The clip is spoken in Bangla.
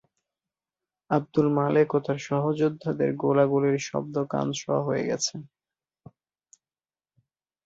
আবদুল মালেক ও তার সহযোদ্ধাদের গোলাগুলির শব্দ কান-সওয়া হয়ে গেছে।